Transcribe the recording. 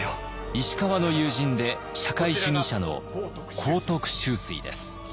石川の友人で社会主義者の幸徳秋水です。